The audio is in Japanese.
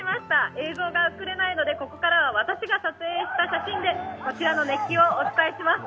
映像が送れないので、ここからは私が撮影した写真でこちらの熱気をお伝えします。